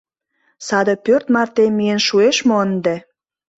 Саде пӧрт марте миен шуэш мо ынде?